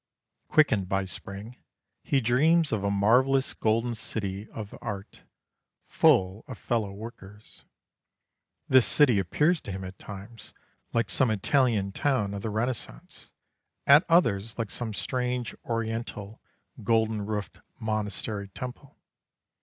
Quickened by spring, he dreams of a marvellous golden city of art, fall of fellow workers. This city appears to him at times like some Italian town of the Renaissance, at others like some strange Oriental golden roofed monastery temple.